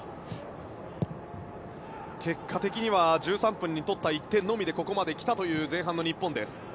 結果的には１３分に取った１点のみでここまで来たという前半の日本です。